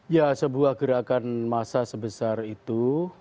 ya sebuah gerakan massa sebesar itu